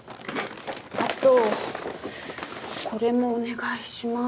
あとこれもお願いします。